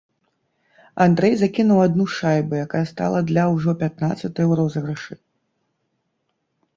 Андрэй закінуў адну шайбу, якая стала для ўжо пятнаццатай у розыгрышы.